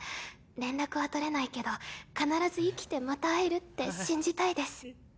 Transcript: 連絡は取れないけど必ず生きてまた会えるって信じたいです。